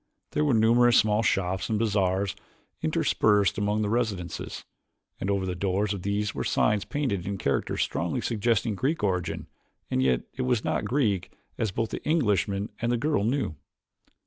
There were numerous small shops and bazaars interspersed among the residences, and over the doors of these were signs painted in characters strongly suggesting Greek origin and yet it was not Greek as both the Englishman and the girl knew.